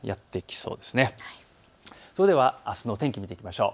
それではあすの天気を見ていきましょう。